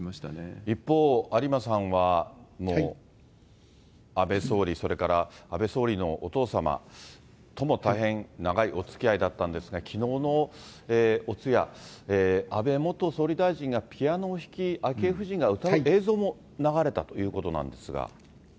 一方、有馬さんはもう、安倍総理、それから安倍総理のお父様とも大変長いおつきあいだったんですが、きのうのお通夜、安倍元総理大臣がピアノを弾き、昭恵夫人が歌う映像も流れたということなんですが。